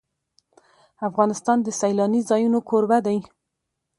افغانستان د سیلانی ځایونه کوربه دی.